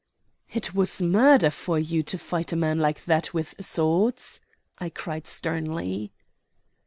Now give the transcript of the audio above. "It was murder for you to fight a man like that with swords," I cried sternly.